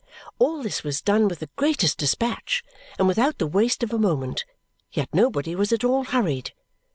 All this was done with the greatest dispatch and without the waste of a moment; yet nobody was at all hurried.